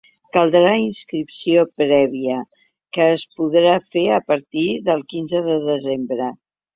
Caldrà inscripció prèvia, que es podrà fer a partir del quinze de desembre.